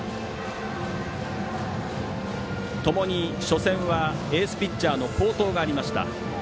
ともに初戦はエースピッチャーの好投がありました。